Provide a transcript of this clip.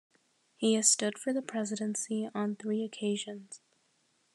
He has stood for the presidency on three occasions.